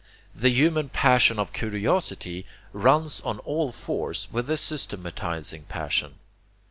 The human passion of curiosity runs on all fours with the systematizing passion.